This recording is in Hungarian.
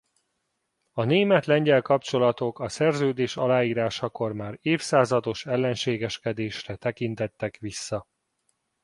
A német–lengyel kapcsolatok a szerződés aláírásakor már évszázados ellenségeskedésre tekintettek vissza.